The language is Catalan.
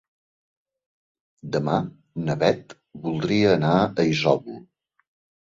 Demà na Beth voldria anar a Isòvol.